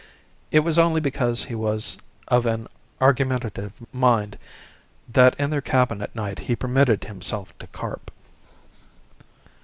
It was only because he was of an argumentative mind that in their cabin at night he permitted himself to carp.